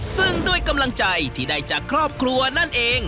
ซึ่งด้วยกำลังใจที่ได้จากครอบครัวนั่นเอง